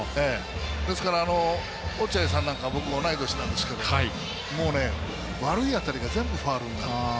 ですから、落合さんなんか僕、同い年なんですけど悪い当たりが全部、ファウルになる。